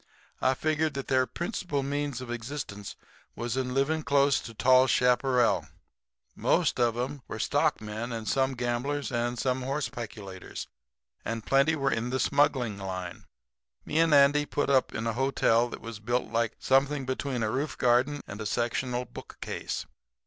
I figured out that their principal means of existence was in living close to tall chaparral. Some of 'em were stockmen and some gamblers and some horse peculators and plenty were in the smuggling line. Me and Andy put up at a hotel that was built like something between a roof garden and a sectional bookcase.